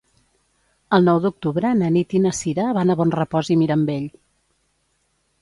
El nou d'octubre na Nit i na Cira van a Bonrepòs i Mirambell.